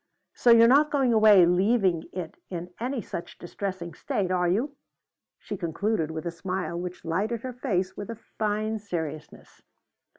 So you're not going away leaving it in any such distressing state, are you?" she concluded with a smile which lighted her face with a fine seriousness.